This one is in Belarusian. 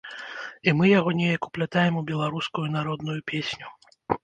І мы яго неяк уплятаем у беларускую народную песню.